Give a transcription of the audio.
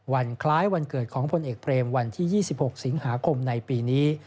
วันคล้ายวันเกิดของพลเอกเบรมวันที่๒๖สิงหาคมในปีนี้